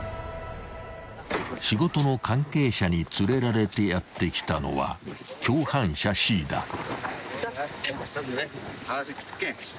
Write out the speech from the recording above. ［仕事の関係者に連れられてやって来たのは共犯者Ｃだ］